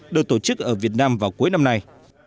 được tổ chức ở việt nam vào cuối năm nay